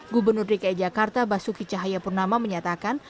gubernur dki jakarta basuki cahaya purnama menyatakan